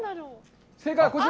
正解はこちら。